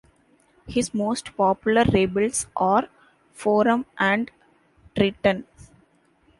His most popular labels are "Forum" and "Triton".